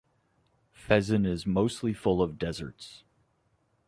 Fezzen is mostly full of deserts.